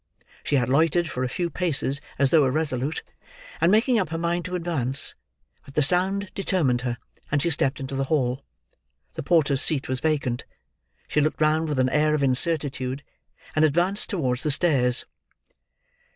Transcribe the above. She had loitered for a few paces as though irresolute, and making up her mind to advance; but the sound determined her, and she stepped into the hall. The porter's seat was vacant. She looked round with an air of incertitude, and advanced towards the stairs.